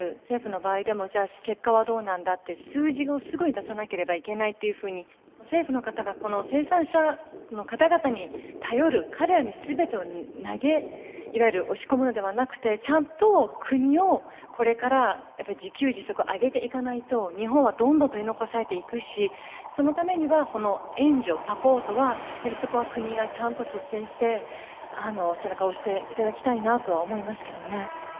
政府の場合でもじゃあ結果はどうなんだって数字をすぐに出さなければいけないってふうに政府の方がこの生産者の方々に頼る彼らに全てを投げいわゆる押し込むのではなくてちゃんと国をこれからやっぱり自給自足を上げていかないと日本はどんどん取り残されていくしそのためにはこの援助サポートはやはりそこは国がちゃんと率先して背中を押していただきたいなとは思いますけどね。